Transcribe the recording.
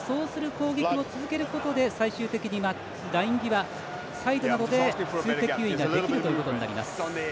そうする攻撃を続けることで最終的にライン際、サイドなどで追撃ができるということになります。